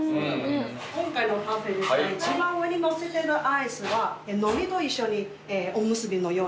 今回のパフェですが一番上にのせてるアイスは海苔と一緒におむすびのように包んで。